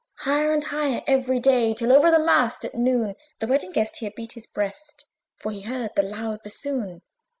Higher and higher every day, Till over the mast at noon The Wedding Guest here beat his breast, For he heard the loud bassoon.